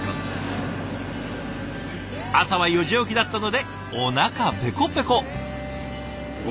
朝は４時起きだったのでおなかペコペコ。